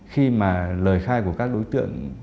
khi mà lời khai của các đối tượng